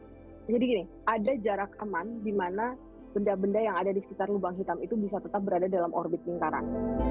jadi gini ada jarak aman di mana benda benda yang ada di sekitar lubang hitam itu bisa tetap berada dalam orbit lingkaran